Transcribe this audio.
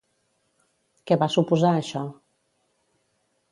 Què va suposar això?